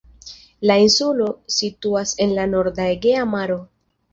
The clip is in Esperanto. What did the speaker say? La insulo situas en la norda Egea Maro.